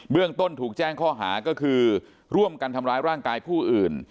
เรื่องต้นถูกแจ้งข้อหาก็คือร่วมกันทำร้ายร่างกายผู้อื่น